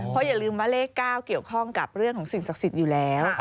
เพราะอย่าลืมว่าเลข๙เกี่ยวข้องกับเรื่องของสิ่งศักดิ์สิทธิ์อยู่แล้ว